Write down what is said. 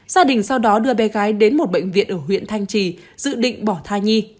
gia đình sau đó đưa bé gái đến một bệnh viện ở huyện thanh trì dự định bỏ thai nhi